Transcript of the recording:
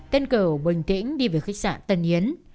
tên cửu bình tĩnh đi về khách sạn tân yến